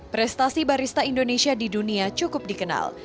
prestasi barista indonesia di dunia cukup dikenal